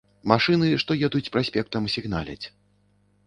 Машыны, што едуць праспектам, сігналяць.